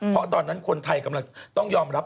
เพราะตอนนั้นคนไทยกำลังต้องยอมรับ